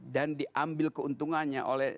dan diambil keuntungannya oleh